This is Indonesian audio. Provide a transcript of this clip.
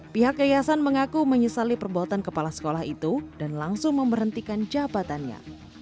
pihak yayasan mengaku menyesali perbuatan kepala sekolah itu dan langsung memberhentikan jabatannya